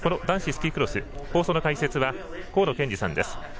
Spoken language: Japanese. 男子スキークロス放送の解説は河野健児さんです。